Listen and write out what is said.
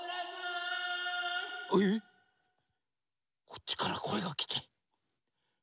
こっちからこえがきてる。